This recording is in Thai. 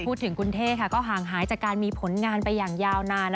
พูดถึงคุณเท่ก็ห่างหายจากการมีผลงานไปอย่างยาวนาน